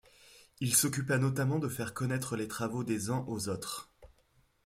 Il s'occupa notamment de faire connaître les travaux des uns aux autres.